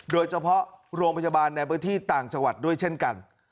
โดยเฉพาะโรงพจบารในบริธีต่างจักรรถด้วยเช่นกัน